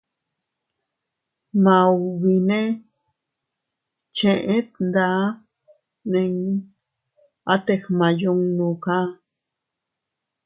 Maubi nee cheʼe tndaa nni atte gmaayunnu kaa.